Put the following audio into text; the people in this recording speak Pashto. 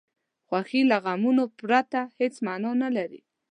خوښي له غمونو پرته څه معنا لري.